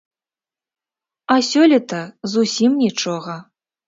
А сёлета зусім нічога.